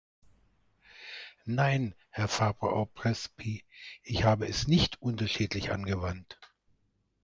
Nein, Herr Fabre-Aubrespy, ich habe es nicht unterschiedlich angewandt.